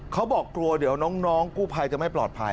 เขาบอกกลัวเดี๋ยวน้องกู้ภัยจะไม่ปลอดภัย